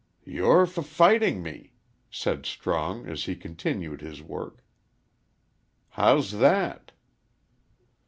"You're f fightin' me," said Strong, as he continued his work. "How's that?"